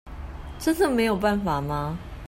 真的沒有辦法嗎？